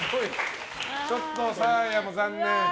ちょっとサーヤも残念。